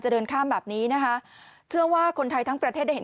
เดินข้ามแบบนี้นะคะเชื่อว่าคนไทยทั้งประเทศได้เห็น